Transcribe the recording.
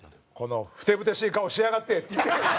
「ふてぶてしい顔しやがって」。